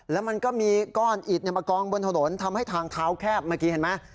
แล้วมันก็มีก้อนอิดมากองบนถนนทำให้ทางเท้าแคบเมื่อกี้เห็นไหม